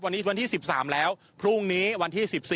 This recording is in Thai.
วันนี้วันที่๑๓แล้วพรุ่งนี้วันที่๑๔